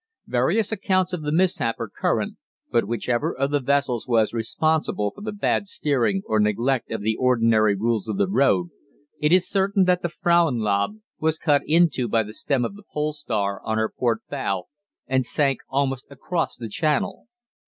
Various accounts of the mishap are current, but whichever of the vessels was responsible for the bad steering or neglect of the ordinary rules of the road, it is certain that the 'Frauenlob' was cut into by the stem of the 'Pole Star' on her port bow, and sank almost across the channel.